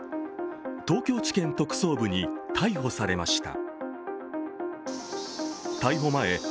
東京地検特捜部に逮捕されました。